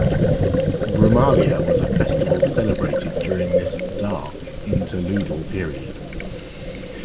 Brumalia was a festival celebrated during this "dark", interludal period.